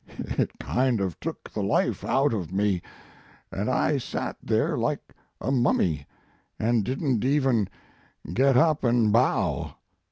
It kind of took the life out of me, and I sat there like a mummy, and didn t even get up and bow.